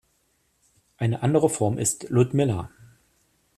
Eine andere Form ist Ludmilla.